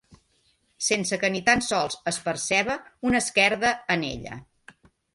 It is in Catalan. Sense que ni tan sols es perceba una esquerda en ella.